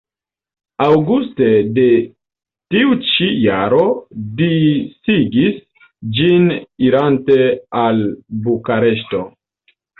Aŭguste de tiu ĉi jaro disigis ĝin irante al Bukareŝto.